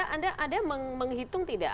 anda menghitung tidak